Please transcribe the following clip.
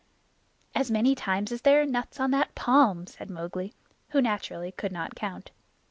"As many times as there are nuts on that palm," said Mowgli, who, naturally, could not count.